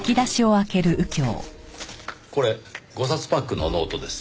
これ５冊パックのノートです。